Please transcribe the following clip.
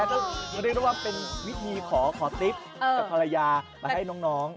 ก็เรียกได้ว่าเป็นวิธีขอติ๊บกับภรรยามาให้น้อง